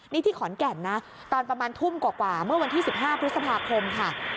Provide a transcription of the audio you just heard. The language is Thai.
นี่ที่ขอนแก่นนะตอนประมาณทุ่มกว่าเมื่อวันที่๑๕พฤษภาคมค่ะ